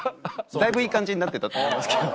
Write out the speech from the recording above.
だいぶいい感じになってたと思いますけど。